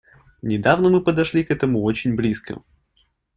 Недавно мы подошли к этому очень близко.